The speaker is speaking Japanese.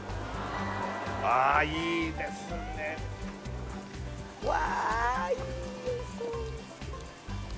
ああいいですねうわ